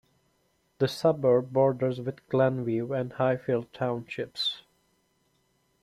The suburb borders with Glen View and Highfield townships.